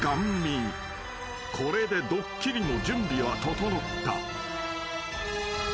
［これでドッキリの準備は整った］